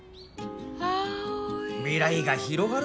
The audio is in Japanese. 未来が広がるぞ。